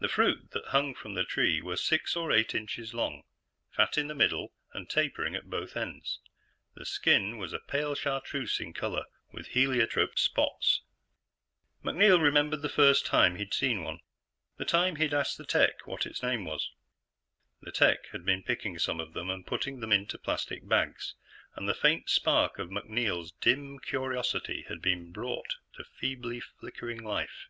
The fruit that hung from the tree were six or eight inches long, fat in the middle, and tapering at both ends. The skin was a pale chartreuse in color, with heliotrope spots. MacNeil remembered the first time he'd seen one, the time he'd asked the tech what its name was. The tech had been picking some of them and putting them into plastic bags, and the faint spark of MacNeil's dim curiosity had been brought to feebly flickering life.